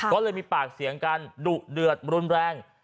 ก็เลยมีปากเสียงกันดุเดือดรุนแรง